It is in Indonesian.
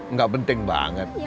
nggak penting banget